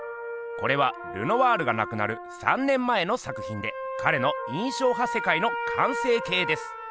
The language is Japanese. これはルノワールがなくなる３年前の作ひんでかれの印象派世界の完成形です。